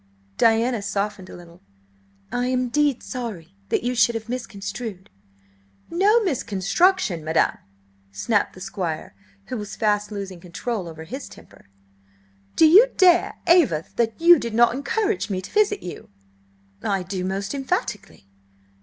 Diana softened a little. "I am indeed sorry that you should have misconstrued—" "No misconstruction, madam!" snapped the Squire, who was fast losing control over his temper. "Do you dare aver that you did not encourage me to visit you?" "I do, most emphatically!"